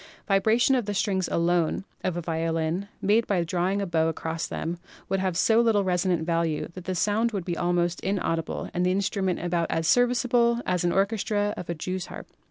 The vibration of the strings alone of a violin, made by drawing a bow across them, would have so little resonant value that the sound would be almost inaudible and the instrument about as serviceable in an orchestra as a jew's harp.